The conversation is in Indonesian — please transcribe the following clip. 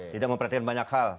tidak memperhatikan banyak hal